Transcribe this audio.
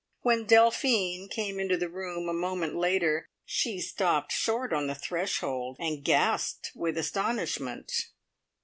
When Delphine came into the room a moment later, she stopped short on the threshold, and gasped with astonishment.